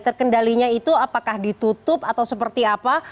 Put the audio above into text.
terkendalinya itu apakah ditutup atau seperti apa